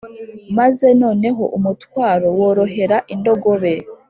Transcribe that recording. maze noneho umutwaro worohera indogobe